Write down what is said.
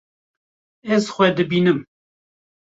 Ez xwe dibînim.